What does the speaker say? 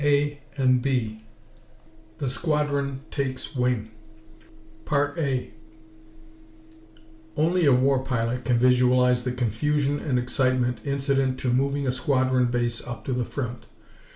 CHAPTER VI The Squadron Takes Wing 1 Only a war pilot can visualize the confusion and excitement incident to moving a squadron base up to the front.